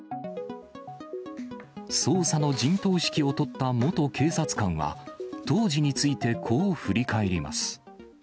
捜査の陣頭指揮を執った元警察官は、当時についてこう振り返ります。